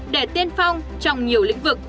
để tiên phong trong nhiều lĩnh vực